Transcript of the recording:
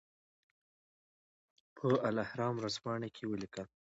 په الاهرام ورځپاڼه کې ولیکل.